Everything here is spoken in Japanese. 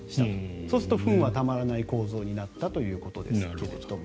そうするとフンはたまらない構造になったということですが。